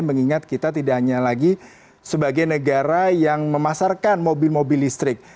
mengingat kita tidak hanya lagi sebagai negara yang memasarkan mobil mobil listrik